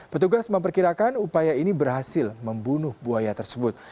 petugas memperkirakan upaya ini berhasil membunuh buaya tersebut